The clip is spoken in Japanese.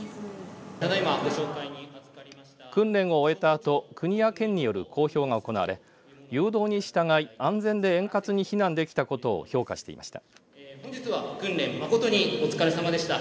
訓練を終えたあと国や県による講評が行われ誘導に従い安全で円滑に避難できたことを評価していました。